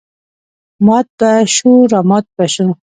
مات به شوو رامات به شوو.